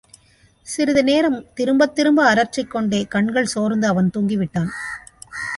சிறிது நேரம் திரும்பத் திரும்ப அரற்றிக் கொண்டே கண்கள் சோர்ந்து அவன் தூங்கிவிட்டான்.